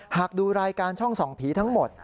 หากดูรายการช่องส่องผีทั้งหมด